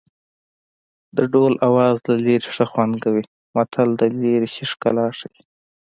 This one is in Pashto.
د ډول آواز له لرې ښه خوند کوي متل د لرې شي ښکلا ښيي